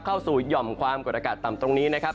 เข้าสู่หย่อมความกดอากาศต่ำตรงนี้นะครับ